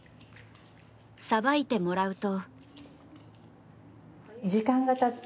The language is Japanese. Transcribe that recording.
さばいてもらうと。